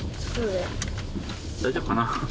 大丈夫かな。